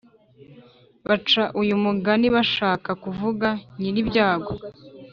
Baca uyu mugani bashaka kuvuga nyiribyago